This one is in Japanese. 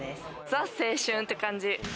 ザ・青春って感じ。